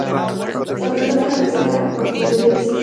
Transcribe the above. La planta baja presenta mampostería vista.